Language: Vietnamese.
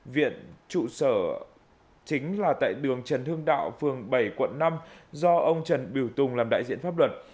viện trụ sở chính là tại đường trần hưng đạo phường bảy quận năm do ông trần biểu tùng làm đại diện pháp luật